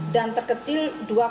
dan terkecil dua sembilan